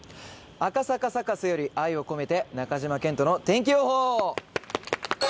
赤坂サカスより愛を込めて中島健人の天気予報！